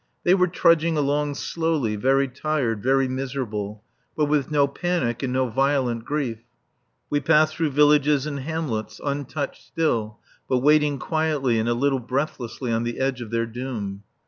They were trudging along slowly, very tired, very miserable, but with no panic and no violent grief. We passed through villages and hamlets, untouched still, but waiting quietly, and a little breathlessly, on the edge of their doom.